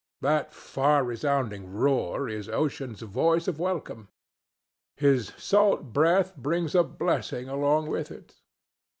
That far resounding roar is Ocean's voice of welcome. His salt breath brings a blessing along with it.